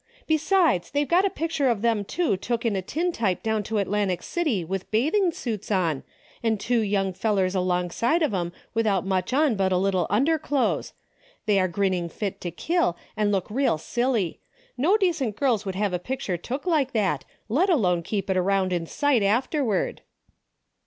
Be sides, they've got a picture of them two took in a tin type down to Atlantic City with bath ing suits on, an' two young fellers along side of 'em without much on but a little under 206 A DAILY RATE.' 207 clo'es. They are grinning fit to kill, and look real silly, decent girls would have a pic ture took like that, let alone keep it round in sight afterward."